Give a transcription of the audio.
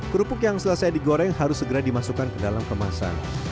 kerupuk yang selesai digoreng harus segera dimasukkan ke dalam kemasan